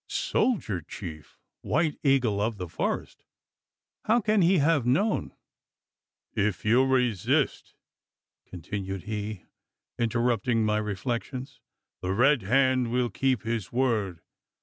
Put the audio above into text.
"Soldier chief. White Eagle of the forest! How can he have known " "If you resist," continued he, interrupting my reflections, "the Red Hand will keep his word.